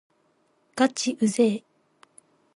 がちうぜぇ